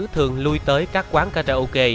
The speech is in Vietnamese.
thường lui tới các quán karaoke